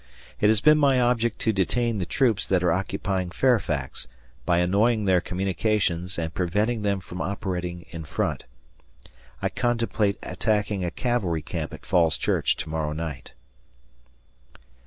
It has been my object to detain the troops that are occupying Fairfax, by annoying their communications and preventing them from operating in front. ... I contemplate attacking a cavalry camp at Falls Church to morrow night.